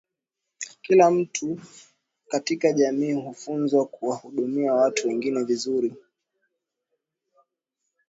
kila mtu katika jamii hufunzwa kuwahudumia watu wengine vizuri